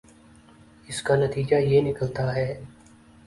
اس کا نتیجہ یہ نکلتا ہے